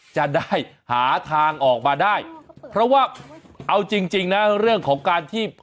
จะได้หาทางออกมาได้เพราะว่าเอาจริงจริงนะเรื่องของการที่